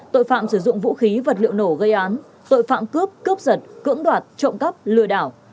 tội phạm sử dụng vũ khí vật liệu nổ gây án tội phạm cướp cướp giật cưỡng đoạt trộm cắp lừa đảo